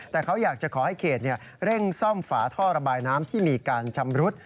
แต่เขาอยากจะขอให้เขตเร่งซ่อมฝาท่อระบายน้ำที่มีการชำรุด